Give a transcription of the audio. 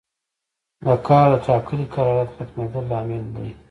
د کار د ټاکلي قرارداد ختمیدل لامل دی.